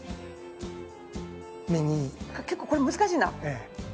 結構これ難しいな。